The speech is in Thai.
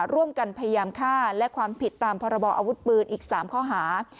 ร่วมกันพยายามฆ่าและความผิดตามพรบออาวุธปืนอีก๓ข้อหา